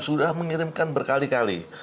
sudah mengirimkan berkali kali